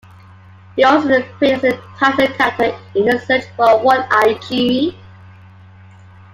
He also appeared as the title character in "The Search for One-eye Jimmy".